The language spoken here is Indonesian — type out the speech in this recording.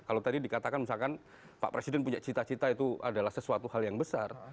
kalau tadi dikatakan misalkan pak presiden punya cita cita itu adalah sesuatu hal yang besar